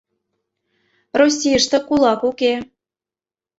Российыште кулак уке.